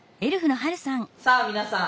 さあ皆さん